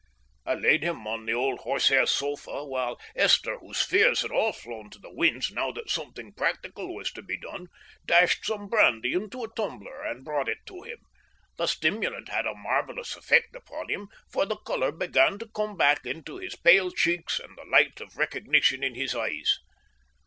I laid him on the old horsehair sofa, while Esther, whose fears had all flown to the winds now that something practical was to be done, dashed some brandy into a tumbler and brought it to him. The stimulant had a marvellous effect upon him, for the colour began to come back into his pale cheeks and the light of recognition in his eyes.